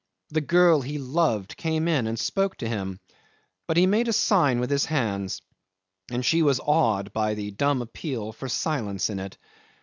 The girl he loved came in and spoke to him, but he made a sign with his hand, and she was awed by the dumb appeal for silence in it.